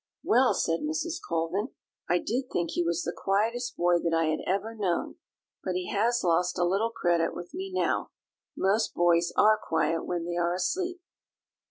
"Well," said Mrs. Colvin, "I did think he was the quietest boy that I had ever known, but he has lost a little credit with me now; most boys are quiet when they are asleep."